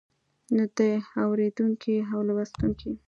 نو د اوريدونکي او لوستونکي